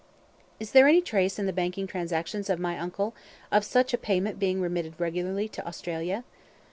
"Is there any trace in the banking transactions of my uncle of such a payment being remitted regularly to Australia?"